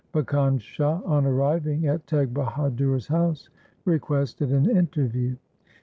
Makkhan Shah on arriving at Teg Bahadur's house requested an interview.